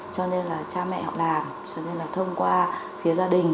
cho nên là cha mẹ họ làm cho nên là thông qua phía gia đình